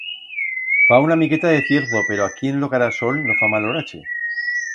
Fa una miqueta de cierzo, pero aquí en lo carasol no fa mal orache.